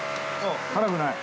辛くない？